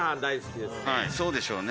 そうでしょうね。